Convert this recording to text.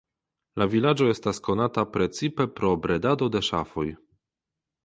La vilaĝo estas konata precipe pro bredado de ŝafoj.